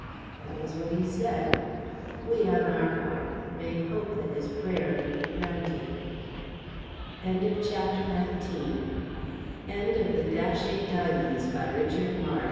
That was what he said. We, on our part, may hope that his prayer may be granted. End of the Project Gutenberg EBook of The Datchet Diamonds, by Richard Ma